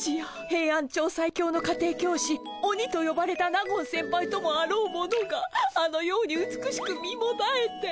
ヘイアンチョウ最強の家庭教師オニとよばれた納言先輩ともあろうものがあのように美しく身もだえて。